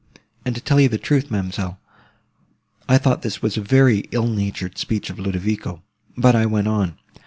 And to tell you the truth, ma'amselle, I thought this was a very ill natured speech of Ludovico: but I went on.